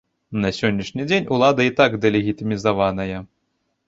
На сённяшні дзень улада і так дэлегітымізаваная.